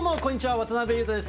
渡辺裕太です。